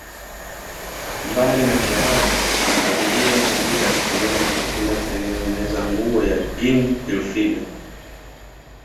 Mbalina mshahara anafadhiliwa na Adidas pamoja na kampuni ya kutengeneza nguo ya Ginny Hilfiger